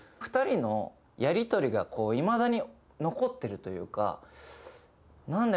２人のやり取りがこういまだに残ってるというかな